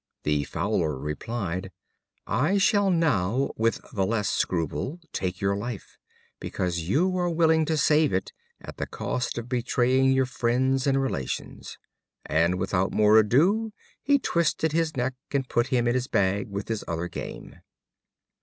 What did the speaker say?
The Fowler replied: "I shall now with the less scruple take your life, because you are willing to save it at the cost of betraying your friends and relations;" and without more ado he twisted his neck and put him in his bag with his other game.